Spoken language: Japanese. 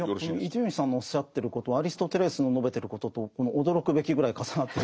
伊集院さんのおっしゃってることアリストテレスの述べてることと驚くべきぐらい重なってるところがあって。